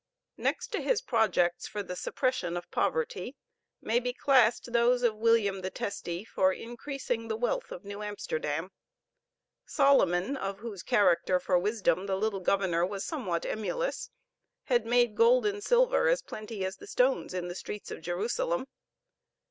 Next to his projects for the suppression of poverty may be classed those of William the Testy for increasing the wealth of New Amsterdam. Solomon of whose character for wisdom the little governor was somewhat emulous, had made gold and silver as plenty as the stones in the streets of Jerusalem.